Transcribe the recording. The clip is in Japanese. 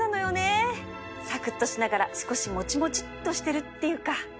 サクッとしながら少しもちもちっとしてるっていうか